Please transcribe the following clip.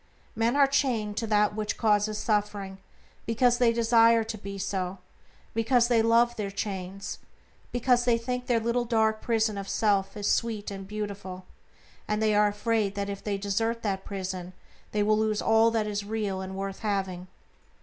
Men are chained to that which causes suffering because they desire to be so, because they love their chains, because they think their little dark prison of self is sweet and beautiful, and they are afraid that if they desert that prison they will lose all that is real and worth having.